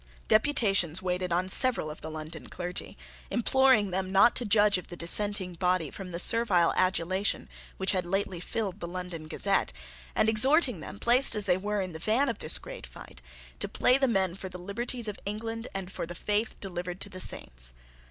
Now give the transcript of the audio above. Deputations waited on several of the London clergy imploring them not to judge of the dissenting body from the servile adulation which had lately filled the London Gazette, and exhorting them, placed as they were in the van of this great fight, to play the men for the liberties of England and for the faith delivered to the Saints.